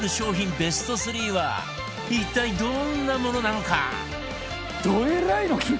ベスト３は一体どんなものなのか？